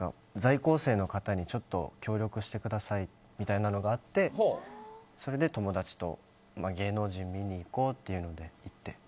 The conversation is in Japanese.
在校生の方にちょっと協力してくださいみたいなのがあってそれで友達と芸能人見に行こうって行って。